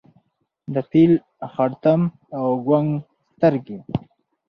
د فیل خړتوم او کونګ سترګي